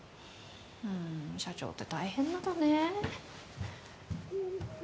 ふーん社長って大変なんだね